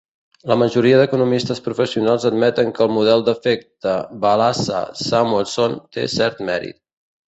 La majoria d'economistes professionals admeten que el model d'efecte Balassa-Samuelson té cert mèrit.